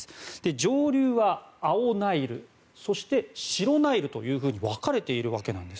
上流は青ナイルそして、白ナイルというふうに分かれているわけです。